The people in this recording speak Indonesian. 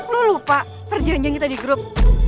lu lupa perjanjian kita di grup